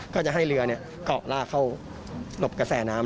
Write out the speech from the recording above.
ก็จะให้เรือเกาะลากเข้าหลบกระแสน้ำ